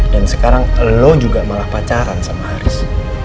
dan sekarang lo juga malah pacaran sama haris